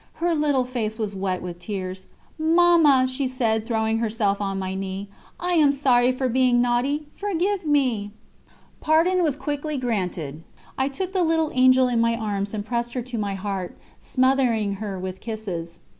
Her little face was wet with tears: 'Mamma,' she said, throwing herself on my knee, 'I am sorry for being naughty forgive me!' Pardon was quickly granted; I took the little angel in my arms and pressed her to my heart, smothering her with kisses."